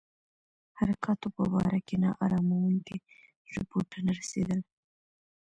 حرکاتو په باره کې نا اراموونکي رپوټونه رسېدل.